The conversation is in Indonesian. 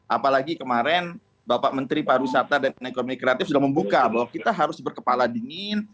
apalagi kemarin bapak menteri pariwisata dan ekonomi kreatif sudah membuka bahwa kita harus berkepala dingin